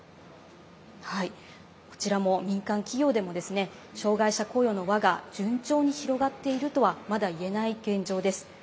民間企業でも障害者雇用の輪が順調に広がっているとはまだ、いえない現状です。